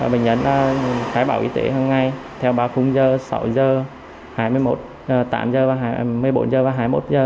bệnh nhân khai bạo y tế hôm nay theo ba khung giờ sáu h hai mươi một